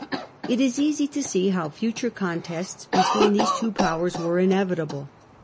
It is easy to see how future contests between these two powers were inevitable.